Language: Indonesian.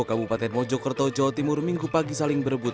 kabupaten mojokerto jawa timur minggu pagi saling berebut